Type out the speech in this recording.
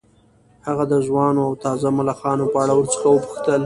هغه د ځوانو او تازه ملخانو په اړه ورڅخه وپوښتل